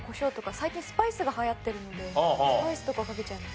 最近スパイスが流行ってるのでスパイスとかかけちゃいます。